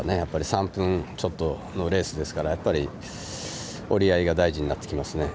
３分ちょっとのレースですからやっぱり折り合いが大事になってきますね。